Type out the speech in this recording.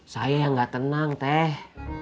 saya yang gak tenang teh